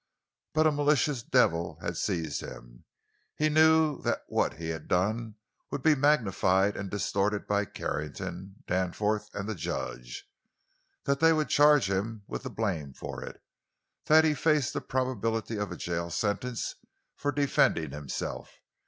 But a malicious devil had seized him. He knew that what he had done would be magnified and distorted by Carrington, Danforth, and the judge; that they would charge him with the blame for it; that he faced the probability of a jail sentence for defending himself.